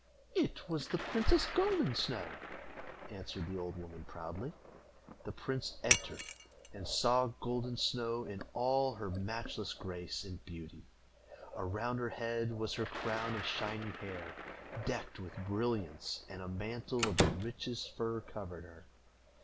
"It was the princess Golden Snow," answered the old woman, proudly. The prince entered, and saw Golden Snow in all her matchless grace and beauty. Around her head was her crown of shining hair, decked with brilliants, and a mantle of the richest fur covered her.